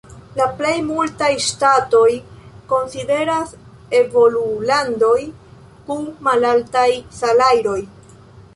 La plej multaj ŝtatoj konsideratas evolulandoj kun malaltaj salajroj.